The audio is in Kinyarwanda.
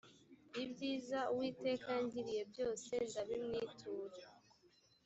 ibyiza uwiteka yangiriye byose ndabimwitura